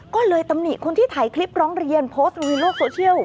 ก็เลยตำหนิคนที่ถ่ายคลิปร้องเรียนโพสต์ลงในโลกโซเชียล